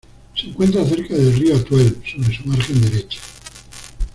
Se encuentra cerca del río Atuel, sobre su margen derecha.